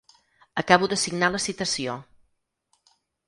Acabo de signar la citació.